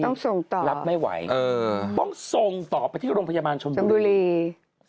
มันต้องส่งต่อป้องส่งต่อไปที่โรงพยาบาลสมบูรณ์